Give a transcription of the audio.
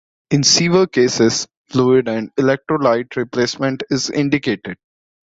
In severe cases, fluid and electrolyte replacement is indicated.